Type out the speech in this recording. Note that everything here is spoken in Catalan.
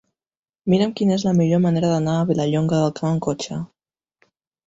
Mira'm quina és la millor manera d'anar a Vilallonga del Camp amb cotxe.